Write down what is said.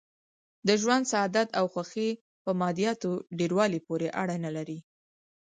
د ژوند سعادت او خوښي په مادیاتو ډېر والي پورې اړه نه لري.